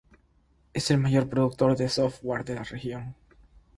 Es el mayor productor de software de la región.